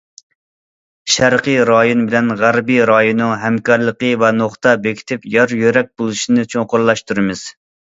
شەرقىي رايون بىلەن غەربىي رايوننىڭ ھەمكارلىقى ۋە نۇقتا بېكىتىپ يار- يۆلەك بولۇشنى چوڭقۇرلاشتۇرىمىز.